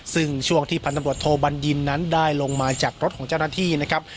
ซึ่งช่วงที่พันธบทโทบัญญินนั้นได้ลงมาจากรถของเจ้าหน้าที่นะครับ